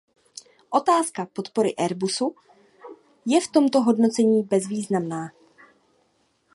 Otázka podpory Airbusu je v tomto hodnocení bezvýznamná.